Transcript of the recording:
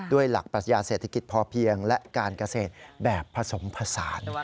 ด้วยหลักปรัชญาเศรษฐกิจพอเพียงและการเกษตรแบบผสมผสาน